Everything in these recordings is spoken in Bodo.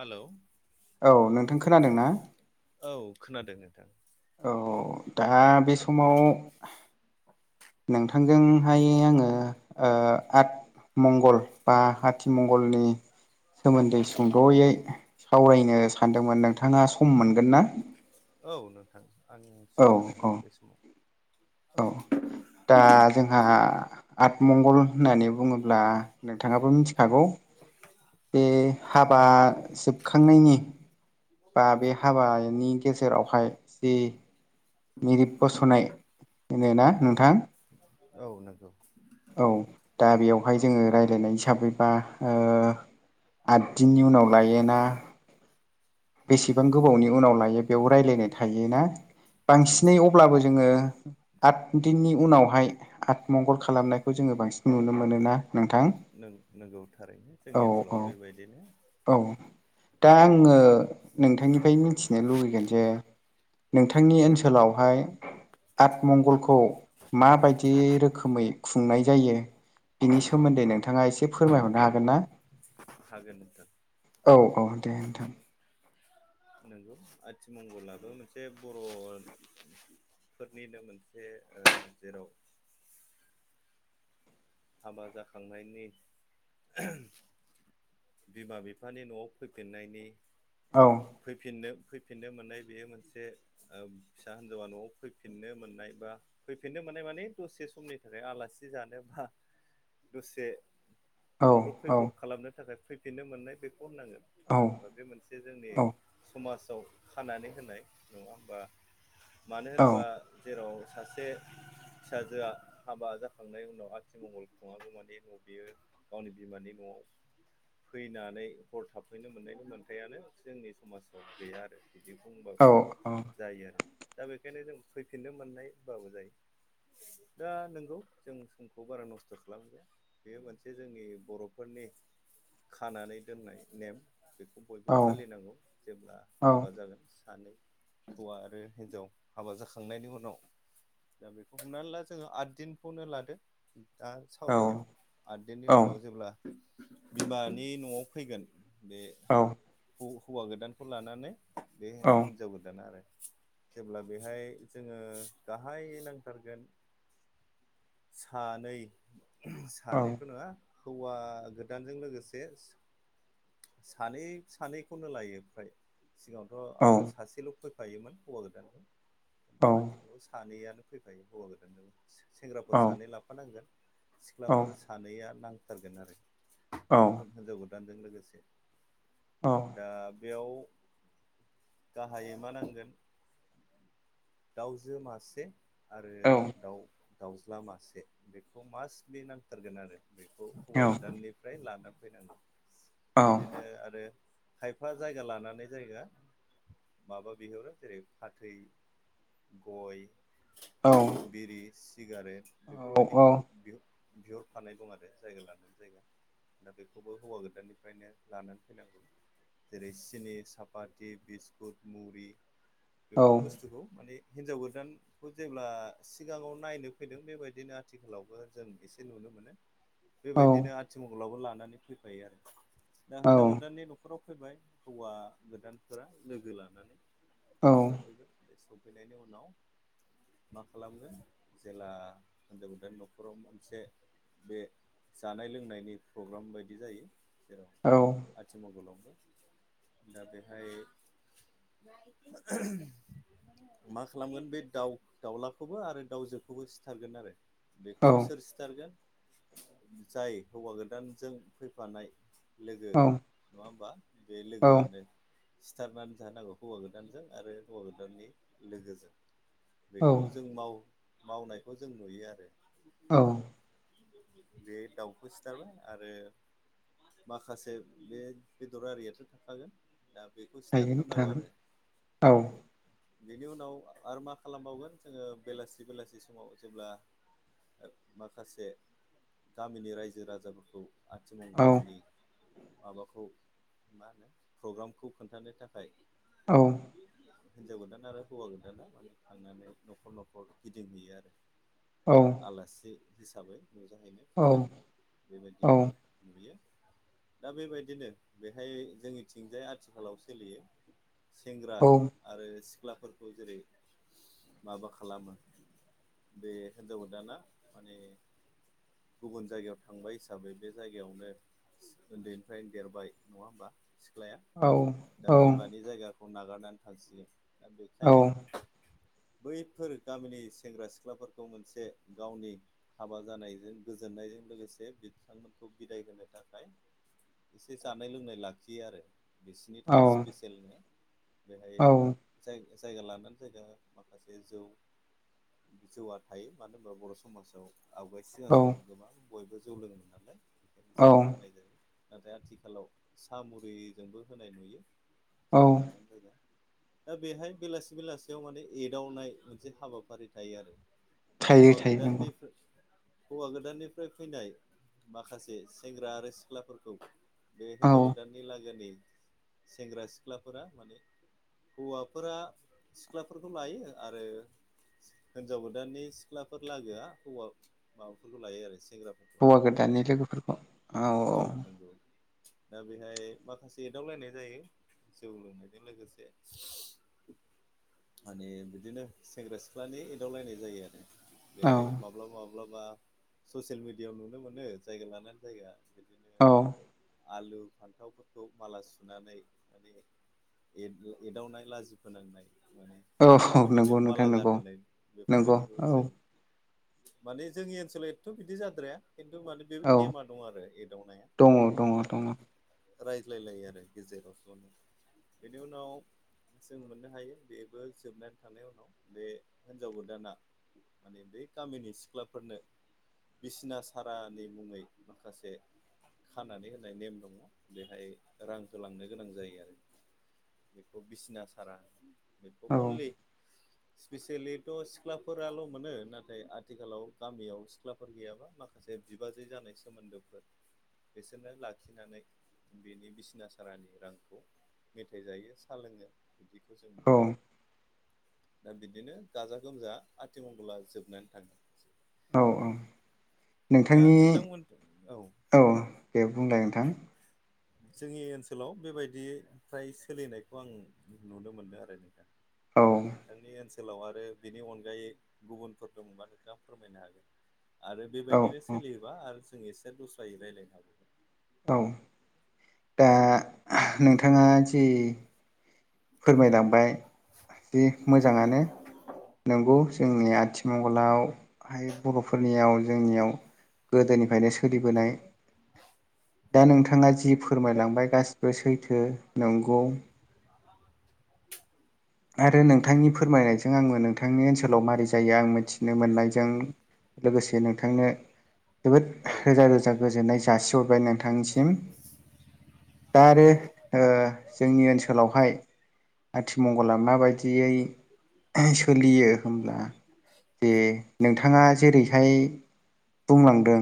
हेल' औ नोंथां खोनादों ना? औ खोनादों नोंथां औ दा बे समाव नोंथांजोंहाय आंङो ओ आट मंगल बा आथिमंगलनि औ सोमोन्दै सुंद'यै सावरायनो सानदोंमोन नोंथांङा सम मोनगोन ना औ नोंथां आंङो औ सम होनो औ हागोन बे समाव औ दा जोंहा आतमंगल होननानै बुङोब्ला नोंथांङाबो मिथिखागौ बे हाबा जोबखांनायनि बा बे हाबानि गेजेरावहाय जि मेरिब बसनाय नंगौ ना नोंथां औ नंगौ औ दा बेयावहाय जोंङो रायज्लायनाय हिसाबैबा ओ आद दिननि उनाव लायोना बेसेबां गोबावनि उनाव लायो बेयाव रायलायनाय थायोना नंगौ बांसिनै अब्लाबो जोंङो आठ दिननि उनावहाय आतमंगल खालामनायखौ जोंङो बांसिन नुनो मोनो ना नोंथां नों नोंगौ थारैनो औ जोंनि औ ओनसोलाव बेबायदिनो औ दा आंङो नोंथांनिफ्राय मिथिनो लुबैगोन जे नोंथांनि ओनसोलावहाय आतमंगलखौ माबायदि रोखोमै खुंनाय जायो। बिनि औ सोमोन्दै नोंथांङा एसे फोरमायहरनो हागोन ना? हागोन नोंथां औ औ दे नोंथां नोंगौ आथिमंगलाबो मोनसे बर' फोरनिनो मोनसे जेराव हाबा जाखांनायनि बिमा बिफानि न'आव फैफिननायनि औ फैफिननो फैफिननो मोननाय बेयो मोनसे फिसा हिनजावा न'आव फैफिननो मोननाय बा फैफिननो मोननाय माने दसे समनि थाखाय आलासि जानो बा दसे औ थांब्रब औ फैब्रब खालामनो थाखाय फैफिननो मोननाय बेखौ होननांगोन औ मानो होनबा बे मोनसे जोंनि औ समाजाव खानानै होनाय नंङा होमबा मानो औ होनोबा जेराव सासे फिसाजोआ हाबा जाखांनायनि उनावहाय आथि मंबल खुङागौ मानि न' बियो गावनि बिमानि न'आव फैनानै हर थाफैनो मोननायनि मोनथायानो जोंनि समाजाव गैया आरो। बिदि बुंबाबो औ औ जायो आरो। दा बेखायनो जों फैफिननो मोननाय होनबाबो जायो। दा नंगौ जों समखौ बारा नस्थ' खालामजाया बेयो मोनसे जोंनि बर'फोरनि खानानै दोननाय नेम बेखौ औ बयबो फालिनांगौ जेब्ला औ हाबा जागोन सानै हौवा आरो हिन्जाव हाबा जाखांनायनि उनाव दा बेखौ हमनानै ला जोङो आद दिनखौनो लादों। दा सावरायनायाव आददिननि उनाव जेब्ला बिमानि न'आव फैगोन बे औ। हौ हौवा गोदानखौ लानानै बे हिनजाव गोदाना आरो जेब्ला बेहाय जोङो गाहाय नांथारगोन सानै सानैथ' नङा हौवा गोदानजों लोगोसे सानै सानैखौनो लायो फ्राय सिगाङावथ' आवगायाव सासेल' फैफायोमोन हौवा गोदानाव खिन्थु आथिखालाव सानैयानो फैफायो हौवा गोदानजों। सेंग्राफोर सानै लाफानांगोन औ सिख्लाफोर सानैया नांथारगोन आरो‌ हिनजाव गोदानजों लोगोसे दा बेयाव गाहायै मा नांगोन दाउजो मासे आरो औ दाउ दाउज्ला मासे बेखौ मास्टलि नांथारगोन आरो बेखौ हौवा हायो नोंथां गोदाननि फ्राय लाना फैनांगौ। बिदिनो आरो खायफा जायगा लानानै जायगा माबा बिहरो जेरै फाथै, गय। औ बिरि सिगारेट बेफोरबायदिखौ बिहरफानायखौ माने जायगा लानानै जायगा दा बेखौबो माने हौवा गोदाननि फ्रायनो लानानै फैनांगौ। जेरै सिनि, सापाथ, बिस्कुट, मुरि औ बेफोर बुस्थुखौ माने हिनजाव गोदान खौ जेब्ला सिगाङाव नायनो फैदों बेबायदिनो आथिखालावबो जों एसे नुनो मोनो। औ बेबायदिनो आथिमंगलाबो लानानै फैफायो आरो। दा हिनजाव गोदानि न'खराव सफैबाय हौवा गोदानफोरा लोगो लानानै औ सफैबाय। बे सौफैनायनि उनाव मा खालामनो जेला होन्जाव गोदाय न'खराव मोनसे बे जानाय लोंनायनि प्रग्राम बायदि जायो। जेराव औ। आथिमंगलावबो। दा बेहाय [inaudible] मा खालामगोन बे दाउ दाउलाखौबो आरो दाउजोखौबो सिथारगोन आरो। बेखौ सोर सिथारगोन जाय हौवा गोदानजों फैफानाय लोगो औ नङा होमबा। बे लोगोआनो सिथारनानै जाहोनांगौ हौवा गोदानजों आरो हौवा गोदाननि लोगोजों। बेखौ जों माव मावनायखौ जों नुयो आरो। औ। बे दाउखौ सिथारबाय आरो माखासे बे बेदर आरियाथ' थाखागोन। दा बेखौ सिथारथारनांगौ आरो। बेनि उनाव आरो मा खालामबावगोन जोङो बेलासि बेलासि समाव जेब्ला ओ माखासे गामिनि रायजो राजाफोरखौ बलनि माबाखौ मा होनो प्रग्रामखौ खोन्थानो थाखाय औ हिनजाव गोदाना आरो हौवा गोदाना माने थांनानै न'खर न'खर गिदिंहैयो आरो औ आलासि हिसाबै नुजाहैनो खावलायहैयो बेबायदिखौ नुयो। दा बेबायदिनो बेहाय जोंनिथिंजाय आथिखालाव सोलियो सेंग्रा आरो सिख्लाफोरखौ जेरै माबा खालामो बे हिन्जाव गोदाना माने गुबुन जायगायाव थांबाय हिसाबै बे जायगायावनो उन्दैनिफ्रायनो देरबाय नङा होमबा? सिख्लाया दा औ बिमानि जायगाखौ नागारनानै थासयो दा औ बेखायनो बैफोर गामिनि सेंग्रा सिख्लाफोरखौ मोनसे गावनि हाबा जानायजों गोजोननायजों लोगोसे बिथांमोनखौ बिदाय होनो थाखाय एसे जानाय लोंनाय लाखियो आरो बिसोरनि औ थाखाय स्पेसेयेल ने बेहाय औ जाय जायगा लानानै जायगा माखासे जौ जौआ थायो मानो होनबा बर' समाजाव आवगायसि औ ज गोबां बयबो जौ लोङोमोन नालाय खायनो औ जौखौ होनाय जायो नाथाय आथिखालाव सा मुरिजोंबो होनाय नुयो औ जायगा लानानै जायगा। दा बेहाय बेलासे बेलासियाव माने एदावनाय मोनसे हाबाफारि थायो आरो थायो हौवा थायो नंगौ गोदाननिफ्राय हौवा गोदाननिफ्राय फैनाय माखासे सेंग्रा आरो सिख्लाफोरखौ बे औ हिनजाव गोदाननि लागोनि सेंग्रा सिख्लाफोरा माने हौवाफोरा सिख्लाफोरखौ लायो आरो हिनजाव गोदाननि सिख्लाफोर लागोआ हौवा माबाफोरखौ लायो आरो सेंग्रा हौवा गोदाननि लोगोफोरखौ औ नोंगौ दा बेहाय माखासे एदावलायनाय जायो जौ लोंनायजों लोगोसे माने बिदिनो सेंग्रा सिख्लानि एदावलायनाय जायो आरो औ बेहाय माब्लाबा माब्लाबा ससियेल मिडियाायाव नुनो मोनो जायगा लानानै जायगा बिदिनो औ आलु फान्थावफोरखौ माला सुनानै माने ए-एदावनाय लाजि फोनांनाय माने औ नंगौ गोदोनायाव माल नोंथां नंगौ गारहोनाय नंगौ बेफोरबायदिखौ औ जों माने जोंनि ओनसोलाव एथ' बिदि जाद्राया खिन्थु माने बे औ नेमा दं आरो एदावनाया दङ दङ बिदिनो दङ आरो रायज्लायलायो आरो गेजेराव ज'नो बेनि उनाव जों मोननो हायो बेबो जोबनानै थां [unintelligible] उनाव बे हिनजाव गोदाना माने बै गामिनि सिख्लाफोरनो बिसिना सारानि मुङै माखासे खानानै होनाय नेम दङ बेहाय रांखौ लांनो गोनां जायो आरो बेखौ बिसिना सारा बेखौ औ अनलि स्पिसियेलिथ' सिख्लाफोराल' मोनो नाथाय आथिखालाव गामियाव सिख्ला फोर गैयाबा माखासे बिबाजै जानाय सोमोन्दोफोर बिसोरनो लाखिनानै बिनि बिसिना सारानि रांखौ मेथाइ जायो साहा लोङो बिदिखौ जों औ मोनो आरो दा बिदिनो गाजा गोमजा आथि मंगला जोबनानै थाङो। औ औ दा नोंथांनि नोंथांमोन औ दे बुंलाय नोंथां जोंनि ओनसोलाव बेबायदि फ्राय सोलिनायखौ आं नुनो मोनो आरो नों [unintelligible] औ दा नोंथांनि ओनसोलाव आरो बिनि अनगायै गुबुनफोर दंबा नोंथाङा फोरमायनो हागोन। आरो औ बेबायदिनो औ सोलियोबा आरो जों एसे दस्रायै रायलायनो हागौ। औ, दा नोंथाङा जि फोरमायलांबाय दि मोजाङानो नोंगौ। जोंनि आथिमंगलाव हाय बर'फोरनियाव जोंनियाव गोदोनिफ्रायनो सोलिबोनाय दा नोंथाङा जि फोरमायलांबाय गासिबो सैथो नंगौ [inaudible] आरो नोंथांनि फोरमायनायजों आंबो नोंथांनि ओनसोलाव मारै जायो आं मिथिनो मोननायजों लोगोसे नोंथांनो जोबोद औ रोजा रोजा गोजोननाय जासि हरबाय नोंथांनिसिम। द आरो नंगौ। ओ जोंनि ओनसोलावहाय आथिमंगला माबायदियै सोलियो होमब्ला जे नोंथाङा जेरैहाय बुंलांदों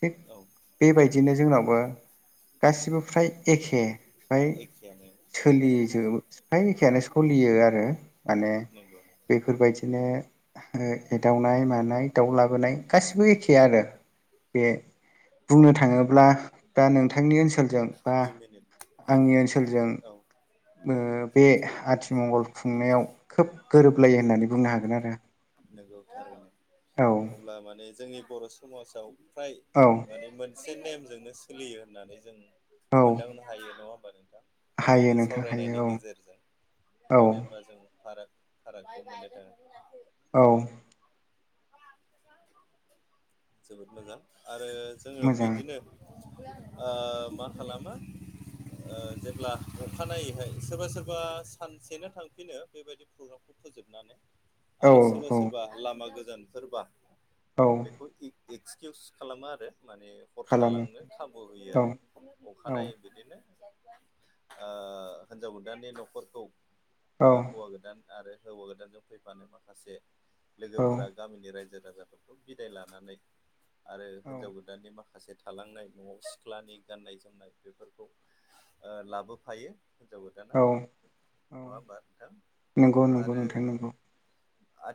थिग औ। बेबायदिनो जोंनावबो गासिबो फ्राय एखे फाय एखेयानो। सोलिजोब फाय एखेयानो। सलियो आरो माने नंगौ नंगौ बेफोरबायदिनो ओ एदाउनाय मानाय दाउ लाबोनाय गासिबो एखे आरो बे बुंनो थाङोब्ला बा नोंथांनि ओनसोलजों बा [inaudible] आंनि ओनसोलजों औ ओ बे आथिमंगल खुंनायाव खोब गोरोबलायो होननानै बुंनो हागोन आरो। नोंगौ औ थारैनो। अब्ला माने जोंनि बर' समाजाव फ्राय औ। माने मोनसे नेमजोंनो सोलियो होननानै जों औ मोनदांनो हायो नङा होमबा नोंथां? बे हायो जे नोंथां सावरायनायनि हायो औ गेजेरजों औ मानो होम बा जों फाराग फारागखौ मोननो [unintelligible] औ। जोबोद मोजां आरो जोङो मोजां बिदिनो ओ मा खालामो ओ जेब्ला अखानायैहाय सोरबा सोरबा सानसेनो थांफिनो बेबायदि प्रग्रामखौ फोजोबनानै औ आरो सोरबा औ सोरबा लामा गोजानफोरबा औ। बेखौ इक-एक्सक्युस खालामो आरो माने हर खालामो थालांनो खाबु होयो औ आरो। अखानायै बिदिनो ओ होनजाव गोदाननि न'खरखौ औ ओ हौवा गोदान आरो हौवा गोदानजों फैफानाय माखासे औ लोगोफोरा गामिनि रायजो राजाफोरखौ बिदाइ लानानै आरो होनजाव गो दाननि माखासे थालांनाय न'आव सिख्लानि गाननाय जोमनाय बेफोरखौ ओ लाबोफायो होनजाव गोदाना औ नङा होमबा नोंथां? नंगौ नंगौ आरो नोंथां नंगौ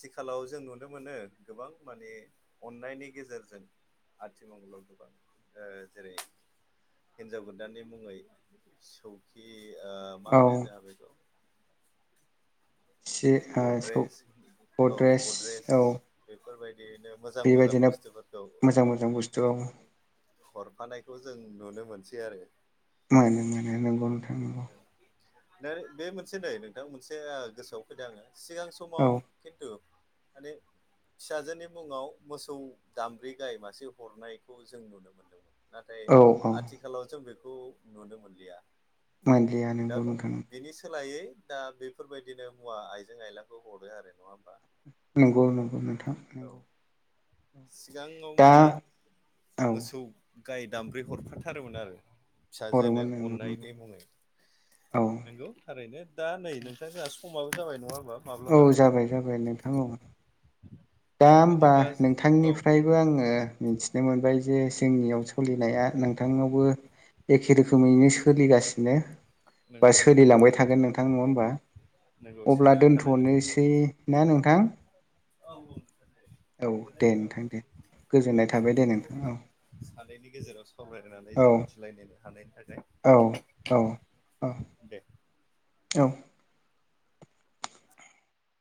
थिखालाव जों नुनो मोनो गोबां माने अन्नायनि गेजेरजों आथिमंगलआव गोबां ओ जेरै हिन्जाव गोदाननि मुङै सौखि ओ मा औ होनो जोंहा बेखौ सि ओ सौ गद्रेस औ गद्रेस बेफोरबायदियैनो मोजां मोजां बेबायदिनो बुस्थुफोरखौ मोजां औ। [unintelligible] हरफानायखौ जों नुनो मोनसै आरो। मोनो मोनो नंगौ नोंथां मोनो। बे मोनसे नै नोंथां मोनसे गोसोआव फैदों आङो सिगां औ समाव खिन्थु माने फिसाजोनि मुङाव मोसौ दामब्रि गाय मासे हरनायखौ जों नुनो मोन्दोंमोन। नाथाय औ औ आथिखालाव जों बेखौ नुनो मोनलिया। मोनलिया। दा नंगौ नोंथां बिनि सोलायै दा बेफोरबायदिनो हुवा आयजें आयलाखौ हरो आरो नङा होमबा? नंगौ नंगौ नोंथां। औ सिगाङाव दा माने औ मोसौ गाय दामब्रै हरफाथारोमोन आरो। फिसाजोनो हरोमोन नंगौ नंगौ अन्नायनि मुङै औ नंगौ। थारैनो दा नै नोंथां जोंहा समाबो जाबाय नङा होमबा? औ माब्लाबानो जाबाय जाबाय नोंथां औ। [inaudible] दा होमबा बिदिब्ला औ बुं नोंथांनिफ्रायबो आङो मिथिनो मोनबाय जे जोंनियाव सोलिनाया नोंथांनावबो एखे रोखोमैनो सोलिगासिनो बा नंगौ नंगौ सोलिलांबाय थागोन नोंथां नङा होनोमबा? नंगौ अब्ला सोलिबाय थानांगोन नोंथां दोनथ'नोसै ना नोंथां? [unintelligible] औ दे नोंथां दे गोजोननाय थाबाय दे नोंथां औ सानैनि गेजेराव सावरायनानै औ जों मिथिलायनो हानायनि थाखाय औ औ। औ दे। औ।